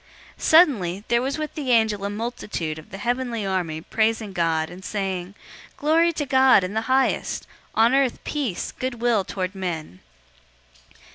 002:013 Suddenly, there was with the angel a multitude of the heavenly army praising God, and saying, 002:014 "Glory to God in the highest, on earth peace, good will toward men."